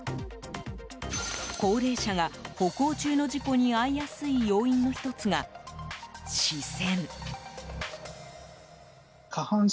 高齢者が、歩行中の事故に遭いやすい要因の１つが視線。